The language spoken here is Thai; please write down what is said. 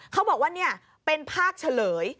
เขาบอกว่านี่เป็นภาพเฉลย